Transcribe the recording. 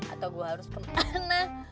atau gue harus kemana